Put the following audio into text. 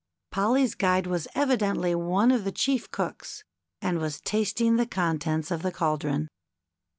Polly's guide was evidently one of the chief cooks, and was tasting the contents of the caldron.